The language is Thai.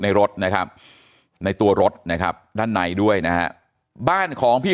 ในรถนะครับในตัวรถนะครับด้านในด้วยนะฮะบ้านของพี่